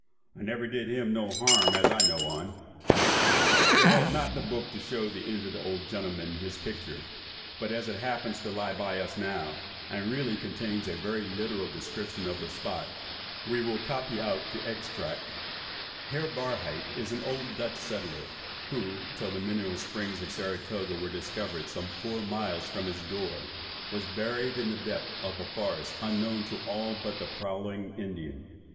I never did him no harm as I know on." We had not the book to show the injured old gentleman his picture, but as it happens to lie by us now, and really contains a very literal description of the spot, we will copy out the extract:— "Herr Barhydt is an old Dutch settler, who, till the mineral springs of Saratoga were discovered some four miles from his door, was buried in the depth of a forest unknown to all but the prowling Indian.